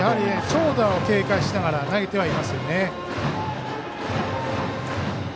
長打を警戒しながら投げてはいますよね。